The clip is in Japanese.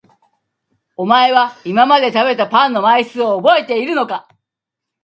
お前は今まで食べたパンの枚数を覚えているのか？